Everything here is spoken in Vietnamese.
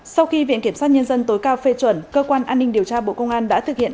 sau khi viện kiểm sát nhân dân tối cao phê chuẩn cơ quan an ninh điều tra bộ công an đã thực hiện